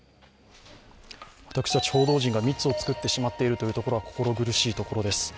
私たち報道陣が密を作ってしまっているところは心苦しいところです。